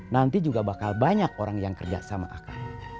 nanti juga bakal banyak orang yang kerja sama aku